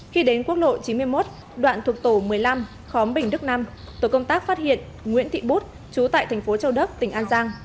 khi đến quốc lộ chín mươi một đoạn thuộc tổ một mươi năm khóm bình đức năm tổ công tác phát hiện nguyễn thị bút chú tại thành phố châu đốc tỉnh an giang